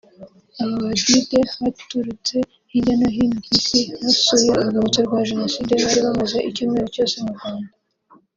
Abo Bagide baturutse hirya no hino ku isi basuye urwibutso rwa Jenoside bari bamaze icyumweru cyose mu Rwanda